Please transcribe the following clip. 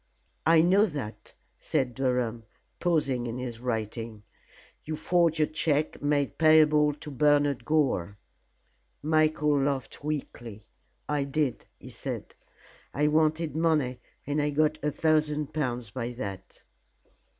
"I know that," said Durham, pausing in his writing. "You forged a check made payable to Bernard Gore." Michael laughed weakly. "I did," he said. "I wanted money and I got a thousand pounds by that."